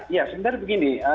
ya sebenarnya begini